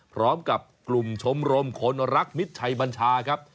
พร้อมกับกลุ่มชมรมคนรักมิตรชัยบัญชาครับ